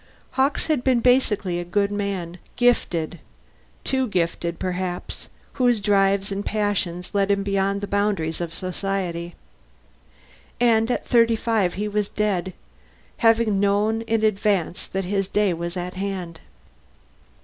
Hawkes had been basically a good man, gifted too gifted, perhaps whose drives and passions led him beyond the bounds of society. And at thirty five he was dead, having known in advance that his last day was at hand.